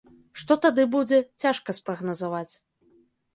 Што тады будзе, цяжка спрагназаваць.